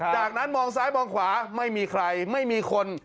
จากนั้นมองซ้ายมองขวาไม่มีใครไม่มีคน